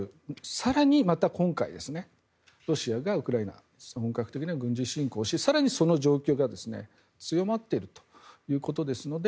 更に、また今回ロシアがウクライナに本格的な軍事侵攻をし更にその状況が強まっているということですので